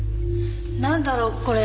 なんだろう？これ。